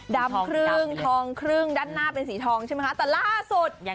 ดำครึ่งทองครึ่งด้านหน้าเป็นสีทองใช่ไหมคะแต่ล่าสุด